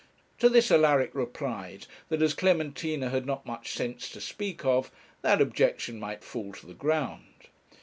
To this Alaric replied that as Clementina had not much sense to speak of, that objection might fall to the ground.